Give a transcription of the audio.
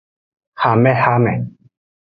Hamehame.